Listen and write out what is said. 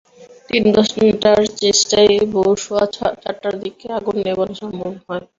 তিন ঘণ্টার চেষ্টায় ভোর সোয়া চারটার দিকে আগুন নেভানো সম্ভব হয়।